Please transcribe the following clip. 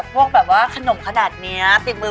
พวกแบบขนมขนาดนี้